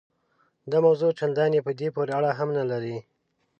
دا موضوع چنداني په دې پورې اړه هم نه لري.